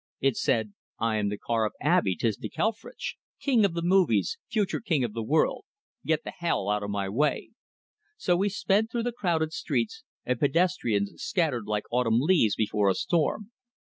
It said: "I am the car of Abey Tszchniczklefritszch, king of the movies, future king of the world. Get the hell out o' my way!" So we sped through the crowded streets, and pedestrians scattered like autumn leaves before a storm.